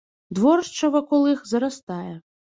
Дворышча вакол іх зарастае.